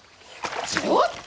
ちょっと！